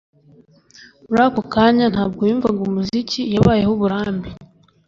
Muri ako kanya ntabwo yumvaga umuziki, yabayeho uburambe.